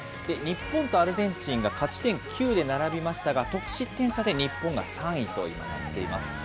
日本とアルゼンチンが勝ち点９で並びましたが、得失点差で日本が３位と今、なっています。